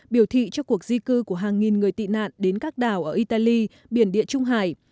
biểu thị cho cuộc di cư của hàng nghìn người tị nạn đến các đảo ở italy biển địa trung hải